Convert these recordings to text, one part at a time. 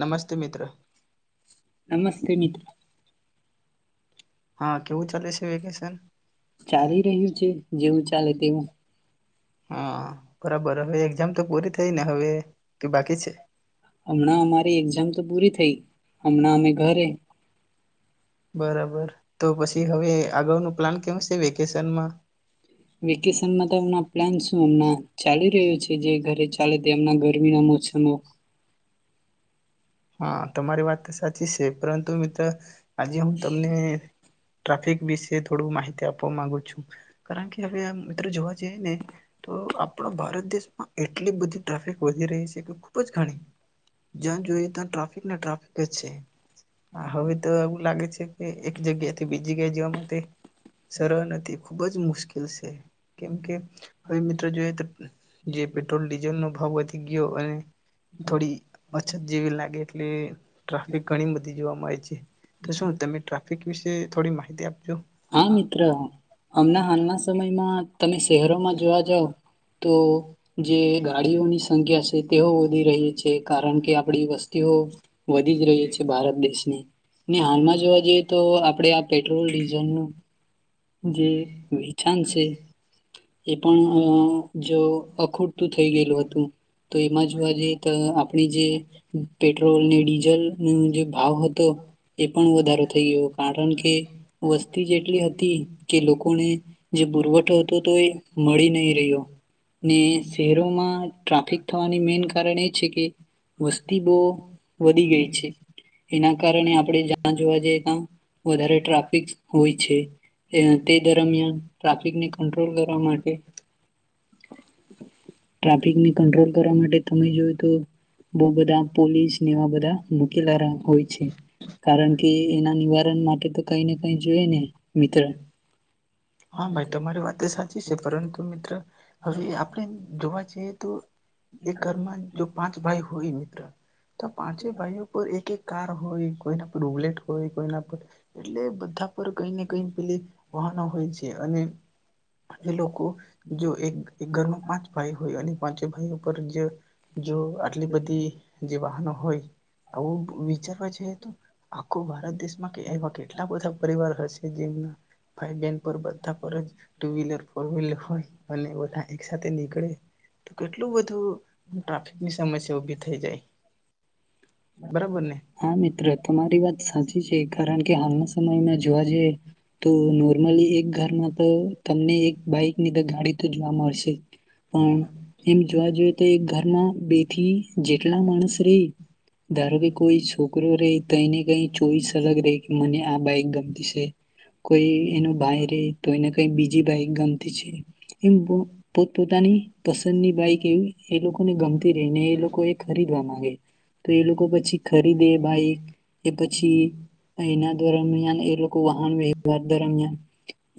નમસ્તે મિત્ર નમસ્તે મિત્ર. હા કેવું ચાલે છે હા ચાલી રહ્યું છે જેવું ચાલે તેવું બબ હામ. થઈ ના હવે કે બાકી છે હમણાં અમારી એક્ઝામ તો પૂરી થઈ હમણાં અમે ઘરે. બરાબર તો પસી હવે આગળનુ. પ્લાન કેમ સે વેકેશનમાં. વેકેશનમાં તો હમણા પ્લાન શું હમણા. ચાલી રહ્યું છે જે ઘરે ચાલે તે તેમના ગરમીના મોસમો. હા તમારી વાત તો સા સાચી છે પરંતુ મિત્ર આજે હું તમને ટ્રાફિક વિશે થોડું માહિતી આપવા માંગુ છું કારણ કે હવે મિત્ર જોવા જઈએ ને તો આપણા ભારત દેશમાં એટલી બધી ટ્રાફિક વધી રહી છે કે ખુબ જ ગાડી જ્યા જોઈએ તા. ને ટ્રાફિક જ છે. હવે તો એવું લાગે છે. એ એક જગ્યાથી બીજી જગ્યા જવા માટે સરળ નથી ખુબ જ મુ મુશ્કેલ સે. કેમ કે હવે મિત્રો જોઈએ તો જે પેટ્રોલ ડીઝલ નો ભાવ વધી ગય ગયો અને થોડી અછત જેવી લાગે એટલે ટ્રાફિક ઘણી બધી જોવા મળે છે તો શું તમે ટ્રાફિક વિશે થોડી માહિત આપ હા મિત્ર અમના હાલના સમયમાં તમે શહેરોમાં જોવા જાાવ તો જે ગાડીઓની સંખ્યા છે તેઓ વધી રહી છે કારણ કે આપણી વસ્તીઓ વધી જ રહી છે ભારત દેશની ને હાલમાં જોવા જઈએ તો આપણે આ પેટ્રોલ ડીઝ જ જે વિછાણ છે. એ પણ જો અખૂટતું થઈ ગયેલું હતું તો એમાં જોવા જઈએ તો આપણે જે પેટ્રોલ ને ડીઝલ ન જે ભાવ હતો એ પણ વધારો થઈ ગયો કારણ કે વસ્તી જેટલી હતી કે લોકોને જે પુરવઠ તો તો એ મળી નહી રહ્યો ને શહેરોમાં ટ્રાફિક થવાની મેન કારણ એ છે કે વસ્તી બહુ હા વધી ગઈ છે એના કારણે આપણે જ જોવા જઈ ત્યા વધારે ટ્રાફિક હોય છે તે દરમિયાન ટ્રાફિકને કો લ કરવા માટે ટ્રાફિક ને કંટ્રોલ કરવા માટે તમે જોય તો બઉ બધા પોલીસ ને એવા બધા મૂકી [unintelligible] કારણ કે એના નિવારણ માટે તો કઈ ને કઈ જોય ને મિત્ર હા ભાઈ તમારી વાત તો સાચી છે પરંતુ મિત્ર. હવે આપણે જોવા જી એ તો. એક ઘરમાં જો પાંચ ભાઈ હોય મિત્ર, તો પાંચે ભાઈઓ પર એક એક કાર હોય, કોઈના પર રુબલેટ હોય કોઈના પર એટલે બધા ઉપર કઈ ને કઈ પીલી વહાનો હોય છે. અને એ લોકો જો એક એક ઘરમાં પાંચ ભાઈ હોય અને પાંચે ભાઈઓ પર જ જો આટલી બધી જે વાહનો હોય. આવું વિચારવા જઈ તો. આખો ભારત દેશમાં કે એવા કેટલા બધા પરિવાર હશે જેમના ભાઈ, બહેન પર બધા પર ચ ટુ વિલર, ફોર વિલર હોય, અને ઓલા એક સાથે નીકળે તો કેટલું બધું ટ્રાફિકની સમસ્યા ઉભી થઈ જાય. બરાબર ને હા મિત્ર તમારી વાત સાચી છે, કારણ કે હાલના સમયમાં જોવા જઈએ તો નોર્મલી એક ઘરમાં તો તમને એક બાઈક ની ત ગાડી તો જોવા મળશે. પણ એમ જોવા જોઈએ તો એક ઘરમાં બે થી જેટલા માણસ રેય દાર કે કોઈ છોકરો રે તો એને કઈ ચોઈસ અલગ રે કે મને આ બાઈક ગમતી છે, કોઈ એનો ભાઈ રે તો એને કઈ બીજી બાઈક ગમતી છે. એમ પોતપોતાની પસંદની બાઈક એવી એ લોકોને ગમતી રહી ને એ લોકો એ ખરીદવા માંગે. તો એ લોકો પછી ખરીદે બાઈક એ પછી એના દરમિયાન એ લોકો વાહન વ્યવહાર દરમિયાન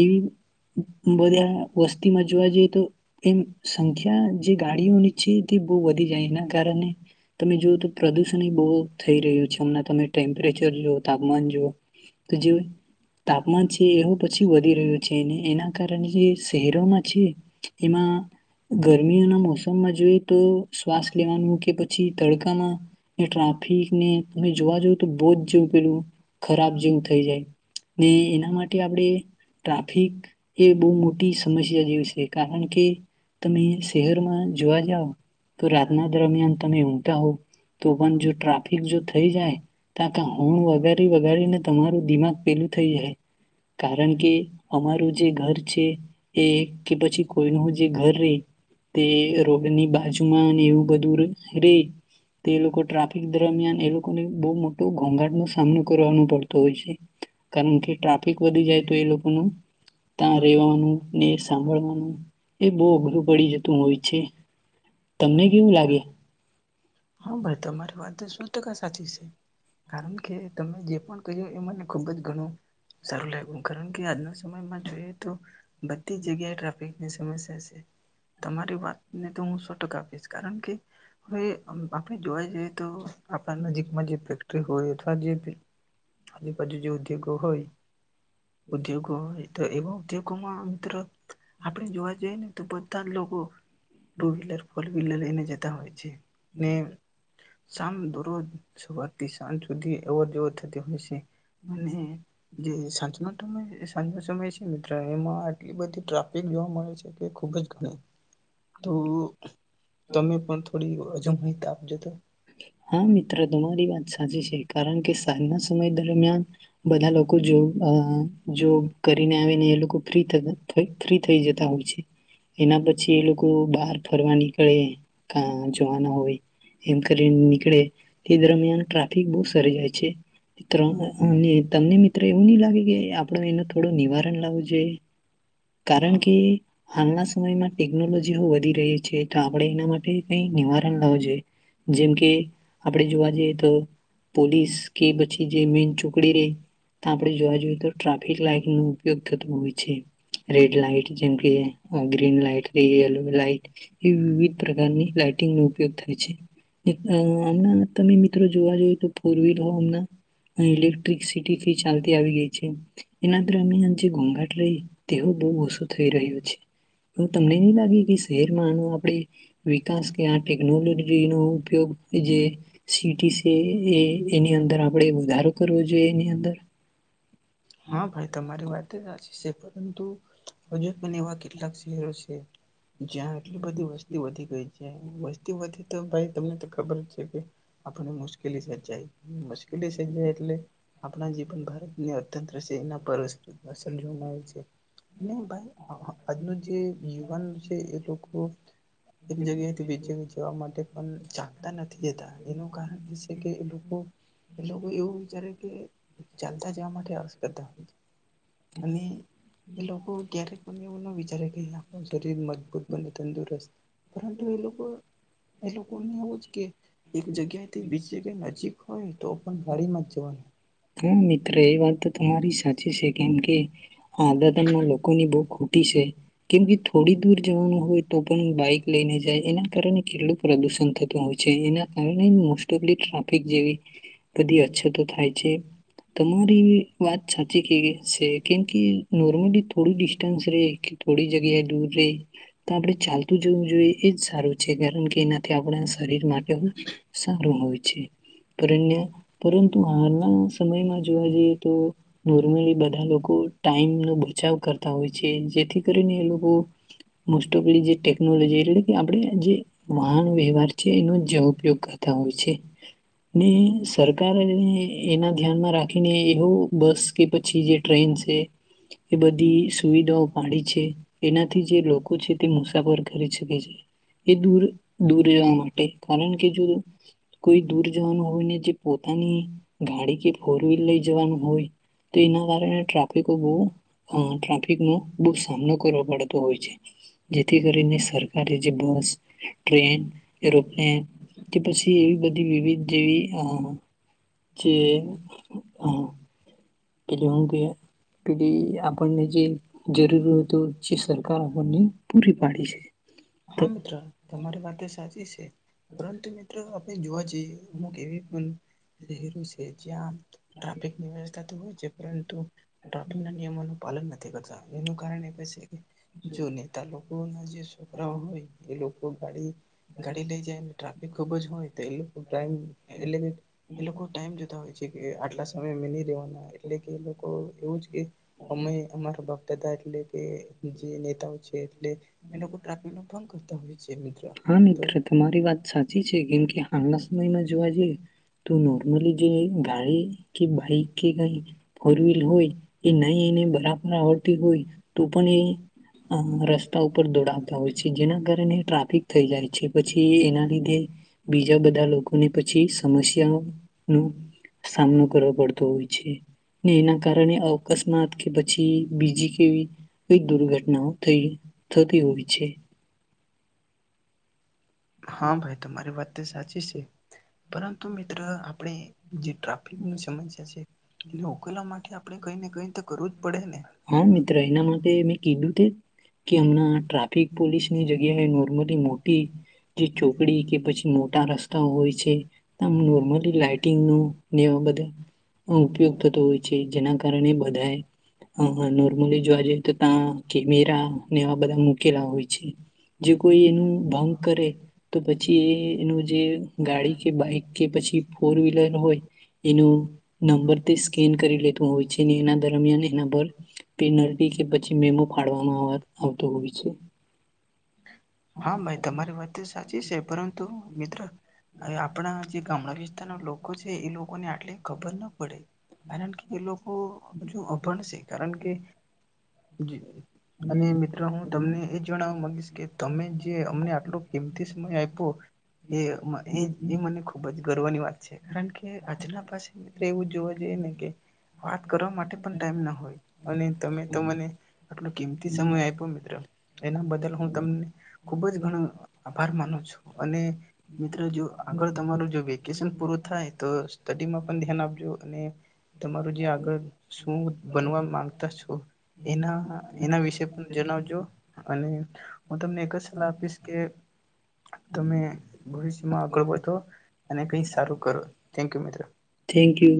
એવી બધા વસ્તીમાં જોવા જઈએ તો એમ સંખ્યા જે ગાડીઓની છે તે બહુ વધી જાય એના કારણે તમે જોવઓ તો પ્રદૂષણ બહુ થઈ રહ્યું છે હમણાં તમે ટેમ્પરેચર જોુઓ તાપમાન જુઓ તો જે તાપમાન છે એવું પછી વધી રહ્યું છે અને એના કારણે જે શહેરોમાં છે એમાં ગરમીઓના મોસમમાં જોઈએ તો શ્વાસ લેવાનું કે પછી તડકામાં એ ટ્રાફિકને તમે જોવા જ તો બહુ જ જેવું પેલું ખરાબ જેવું થઈ જાય ને એના માટે આપણે ટ્રાફિક એ બહુ મોટી સમસ્યા જેવી છે. કારણ કે હા તમે શહેરમાં જોવા જઓ તો રાતના દરમિયાન તમે હુ તાહો તો પણ જો ટ્રાફિક જો થઈ જાય તા તો હોણ વગારી વગારીને તમારું દિમાગ પેલું થઈ જાહે કારણ કે અમારું જે ઘર છે એ કે પછી કોઈનું જે ઘર રે તે રોડની બાજુમાં એવું બધું ર રેય. તે એ લોકો ટ્રાફિક દરમિયાન એ લોકોને બહુ મોટો ઘોઘાટ નો સામનો કરવાનો પડતો હોય છે. કારણ કે ટ્રાફિક વધી જાય તો એ લોકોનું ત્યાં રહેવાનું ને સાંભળવાનું એ બહુ અઘરું પડી જતું હોય છે. તમને કેવું લાગે? હા ભાઈ તમારી વાત સો ટકા સાચી છે, કારણ કે તમે જે પણ કહ્યું એ મને ખુબ જ ઘણું સારું લાગ્યું કારણ કે આજના સમયમાં જોઈએ તો બધી જગ્યાએ ટ્રાફિક ની સમસ્યા છે. તમારી વાતને તો હું સો ટકા આપીશ. કારણ કે હવે આપણે જોવા જઈએ તો આપણા નજીકમાં જે ફેક્ટરી હોય અથવા જે આજુબાજુ જે ઉદ્યોગો હોય, ઉદ્યોગો હોય તો એવા ઉદ્યોગોમાં મિત્રો આપણે જોવા જઈએ ને તો બધા લોકો ટુ હલર પર બિલ્લા એને જેતા હોય છે. ને સામ દરોજ સવારથી સાંજ સુધી અવર જવર થતી હોય છે, અને જે સાંજનો સાંજનો સમય છે મિત્ર એમાં આટલી બધી ટ્રાફિક જોવા મળે છે કે ખુબ જ ગ તો તમે પણ થોડી હજુન બી હોય તપ જો તો. હા મિત્ર તમારી વાત સાચી છે, કારણ કે સાંજના સમય દરમિયાન બધા લોકો જો જોબ કરીને આવીને એ લોકો ફ્રી ફ્રી થઈ જતા હોય છે. એના પછી એ લોકો બહાર ફરવા નીકળે. કા જોવાના હોય એમ નીકળે તે દરમિયાન ટ્રાફિક બહુ સરી જાય છે, અને તમને મિત્ર એવું નહી લાગે કે આપડો એનું થોડું નિવારણ લાવવું જોઈએ, કારણ હા કે હાલના સમયમાં ટેકનોલોજી વધી રહી છે, તો આપણે એના માટે કઈ નિવારણ લાવું જોઈએ. જેમકે આપણે જોવા જઈએ તો પોલીસ કે પછી જે મેન ચોકડી રહી આપણે જોવા જઈએ તો ટ્રાફિક લાઈટ નો ઉપયોગ થતો હોય છે. રેડ લાઈટ જેમકે, ગ્રીન લાઈટ, યલો લાઈટ એ વિવિધ પ્રકારની લાાઈટંગ નો ઉપયોગ થાય છે. નાના નાના તમે મિત્રો જોવા જોઈએ તો ફોર વ્હીલમ ઇલેક્ટ્રિકસિટીથી ચાલતી આવી ગઈ છે. એનામ જે ઘોઘાટ રહી તેવો બહુ ઓછો થઈ રહ્યો છે, એ તમને નહી લાગે કે શહેરમાં આનો આપે વિકાસ કે આ ટેકનોલોજી રિનો ઉપયોગ જે સિટી છે એ એની અંદર આપણે વધારો કરવો જોઈએ એની અંદર. હા ભાઈ તમારી વાત સાચી. પરંતુ હજુ પણ એવા કેટલાક શહેરો છે જ્યા એટલી બધી વસ્તી વધી ગઈ. છે બસ્તી વધતી તો ભાઈ તમને તો ખબર જ છે કે આપને મુશ્કેલી સર્ચાય. મુશ્કેલી છે સર્જાય જ એટલે. આપણા જી પણ ભારતનીય તંત્ર છે એના પરસ [unintelligible] છે ને ભાઈ આજનું જે યુવાન છે એ લોકો ઓફત એક જગ્યાએથી બીજી જગ્યા જવા માટે પણ ચાકતા નથ થી જતા એનું કારણ એ છે કે એ લોકો એ લોકો એવું વિચારે કે ચાલતા જવા માટે [unintelligible] અને એ લોકો ક્યારેક પણ એવી ન વિચા ત્યારે કે આહુ શરીર મજબૂત બને તંદુરસ્ત પરંતુ એ લોકો એ લોકોને એવું જ કે એક જગ્યાથી બીજી જગ્યા નજીક ઓય તો પણ ગાડીમાં જ જવાનું. મારી સાચી છે કેમ કે. હા દ તમના લોકો ની બહુ ખુબ તી છે કેમ કે થોડી દૂર જવાનું હોય તો પણ બાઈક લઈને જાય એના કારણે કેટલું પ્રદુષણ થતું હોય છે. એના કારણે મોસ્ટ ઓફ ટ્રાફિક જેવી બધી અછતો થાય છે. તમારી વાત સાચી કે છે કેમ કે નોર્મલી થોડું ડિસ્ટન્સ રેય કે થોડી જગ્યાએ દૂર રેય તો આપણે ચાલતું જવું જોઈએ એજ સારું છે કારણ કે એનાથી આપણા શરીર માટે સારું હોય છે. પરન્ય પરંતુ હાલના સમયમાં જોવા જઈએ તો નોર્મલી બધા લોકો ટાઈમનો બચાવ કરતા હોય છે. જેથી કરીને એ લોકો મોસ્ટ ઓફ જે ટેકનોલોજી એટલે કે આપણે જે વાહન વ્યવહાર છે એનો ઉપયોગ કરતા હોય છે. ને તરકારે એના ધ્યાનમાં રાખીને એવો બસ કે પછી જે ટ્રેન છે એ બધી સુવિધાઓ પાડી છે એનાથી જે લોકો છે તે મુસાફર કરી શકે છે એ દૂર દૂર જવા માટે કારણ કે જો કોઈ દૂર જવાનું હોયને જે પોતાની ગાડી કે ફોર વ્હીલર લઈ જવાનું હોય તો એના કારણે ટ્રાફિકો બહુ ટ્રાફિકનોો બહુ સામનો કરવો પડતો હોય છે જેથી કરીને સરકારે જે બસ ટ્રેન એરોપ્લેન કે પછી એવી બધી વિવિધ જેવી. જે હ. પે હું કે પેલી આપણને જે જરૂરી હત જે સરકાર આપણને પૂરી પાડી છે. તો હા મિત્ર તમારી વાત સાચી છે પરંતુ મિત્રો આપણે જોવા જઈએ અમુક એવી પણ શ છે જ્યાં ટ્રાફિકની વ્યવસ્થા તો હોય છે પરંતુ ટ્રાફિક ના નિયમોનું પાલન નથી કરતા એનું કારણે. જો નેતા લોકો હ ના જે [unintelligible] હોય એ લોકો ગાડી ગાડી લઈ જાય ને ટ્રાફિક ખુબ જ હોય તો એ લોકો ટાઈમ એ એ લોકો ટાઈમ જતા હોય છે. કે આટલા સમય મે ની રહેવાના એટલે કે એ લોકો એવું જ કે અમે આમાર તથા એટલે કે જે નેતાઓ છે. ટલે એ લોકો કરતા હોય છે. મિત્ર હા તો મિત્ર તમારી વાત સાચી છે, કેમ કે હાલના સમયમાં જોવા જઈએ, તો નોર્મલી જે ગાડી કે બાઈક કે કઈ ફોર વ્હીલર હોય, એ ન એને બરાબર આવડતી હોય, તો પણ એ રસ્તા ઉપર દોડાવતા હોય છે જેના કારણે ટ્રાફિક થઈ જાય છે પછી એના લીધે, બીજા બધા લોકોને પછી સમસ્યાઓ નો સામનો કરવો પડતો હોય છે, ને એના કારણે અકસ્માત કે પછી બીજી કેવી, દુર્ઘટનાઓ થઈ થતી હોય છે. હા ભાઈ તમારી વાત સાચી છે, પરંતુ મિત્ર આપણે જે ટ્રાફિક ન સમસ્યા છે, એ ઉકેલવા માટે આપણે કંઈ ને કંઈ તો કરું જ પડે ને હા મિત્ર એના માટે મેં કીધું તે. કે હમણાં ટ્રાફિક પોલીસની જગ્યાએ નોર્મલી મોટી, જે ચોકડી કે પછી મોટા રસ્તાઓ હોય છે, આ નોર્મલી લાઇટિંગનોને એવા બધા ઉપયોગ થતો હોય છે, જેના કારણે બધાએ નોર્મલી જોવા જઈએ તો ત્યાં કેમેરા ને એવા બધા મૂકેલા હોય છે, જે કોઈ એનું ભંગ કરે તો પછી એ એનું જે ગાડી કે બાઈક કે પછી ફોર વ્હીલર હોય, એનો નંબર તે સ્કેન કરી લેતો હોય છે એના દરમિયાન એના પન કે પછી મેમો ફાળવામાં આવતો હોય છે. હા ભાઈ તમારી વાત સાચી છે. પરંતુ મિત્ર આપણા જે ગામડા વિસ્તારના લોકો છે એ લોકોને આટલી ખબર ના પડે, કારણ કે એ લોકો હજુ અભણશે, કારણ કે અને મિત્રો હું તમને એ જણાવવા માગીશ કે તમે જે અમને આટલો કેમથી સમય આપ્યો, એ એ એ મને ખૂબ જ ગર્વની વાત છે. કારણ કે આજના પાછી મિત્ર એવું જોવા જોઈએ ને કે વાત કરવા માટે પણ ટાઈમ ના હોય, અને તમે તો મને આટલો કિંમતી સમય આપ્યો મિત્રો, એના બદલ હું તમને ખુબ જ ઘણો આભાર માનું છું, અને મિત્ર જો આગળ તમારું જો વેકેશન પૂરું થાય તો સ્ટડીમાં પણ ધ્યાન આપજો અને, તમારું જે આગળ શું બનવા માંગતા છો એના એના વિશે પણ જણાવજો, અને હું તમને એક જ સલાહ આપીશ કે, તમે ભવિષ્ય મા આગળ વધો, અને કઈ સારું કરો થેન્ક યુ મિત્રો. Thank you.